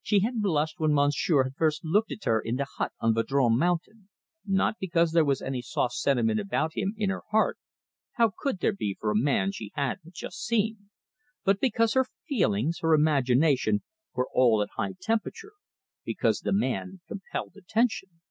She had blushed when monsieur had first looked at her, in the hut on Vadrome Mountain, not because there was any soft sentiment about him in her heart how could there be for a man she had but just seen! but because her feelings, her imagination, were all at high temperature; because the man compelled attention.